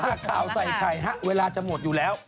ข่าวใส่ไข่ฮะเวลาจะหมดอยู่แล้ว